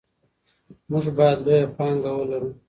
موږ باید لویه پانګه ولرو.